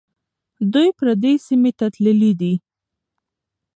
دوی پردي سیمې ته تللي دي.